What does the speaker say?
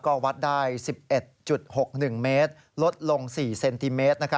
ก็วัดได้๑๑๖๑เมตรลดลง๔เซนติเมตร